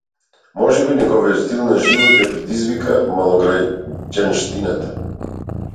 Можеби неговиот стил на живот ја предизвика малограѓанштината?